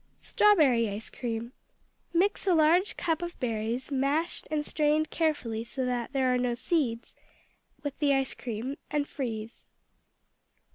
Strawberry Ice cream Mix a large cup of berries, mashed and strained carefully so that there are no seeds, with the ice cream, and freeze.